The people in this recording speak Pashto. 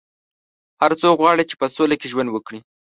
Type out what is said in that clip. هر څوک غواړي چې په سوله کې ژوند وکړي.